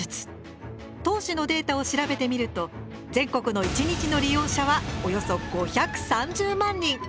当時のデータを調べてみると全国の１日の利用者はおよそ５３０万人。